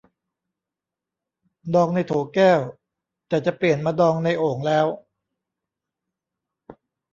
ดองในโถแก้ว แต่จะเปลี่ยนมาดองในโอ่งแล้ว